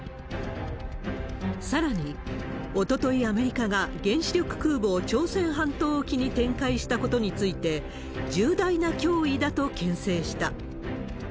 さらに、おととい、アメリカが原子力空母を朝鮮半島沖に展開したことについて、重大な脅威だとけん制した。